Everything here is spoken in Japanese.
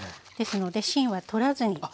ですので芯は取らずに。